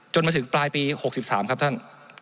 มาถึงปลายปี๖๓ครับท่าน